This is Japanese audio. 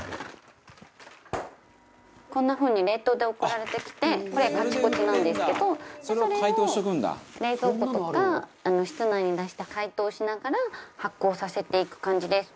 こんな風に冷凍で送られてきてこれカチコチなんですけどそれを冷蔵庫とか室内に出して解凍しながら発酵させていく感じです。